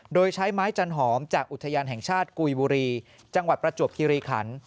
โดยใช้ไม้จันหอมจากอุทยานแห่งชาติกุยบุรีจังหวัดประจวบคิริขัน